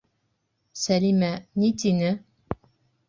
Сәлимә... ни тине?